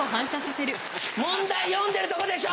問題読んでるとこでしょ！